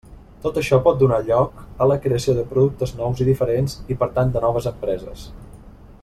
Tot això pot donar lloc a la creació de productes nous i diferents, i per tant de noves empreses.